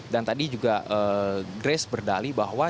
dan tadi juga grace berdali bahwa